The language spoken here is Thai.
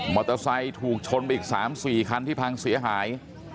เตอร์ไซค์ถูกชนไปอีก๓๔คันที่พังเสียหาย